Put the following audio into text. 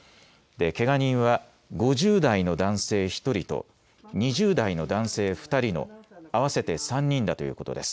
けが人は５０代の男性１人と２０代の男性２人の合わせて３人だということです。